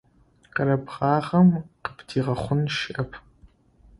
Къэрэбгъагъэм къыбдигъэхъун щыӏэп.